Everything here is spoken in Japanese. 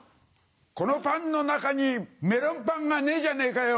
このパンの中にメロンパンがねえじゃねぇかよ。